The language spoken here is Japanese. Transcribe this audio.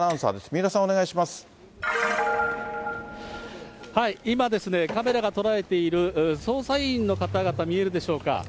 三浦さん、今、カメラが捉えている捜査員の方々、見えるでしょうか。